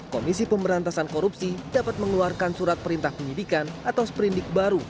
komisi pemberantasan korupsi dapat mengeluarkan surat perintah penyidikan atau sprindik baru